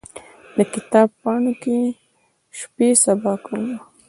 د کتاب پاڼو کې شپې سبا کومه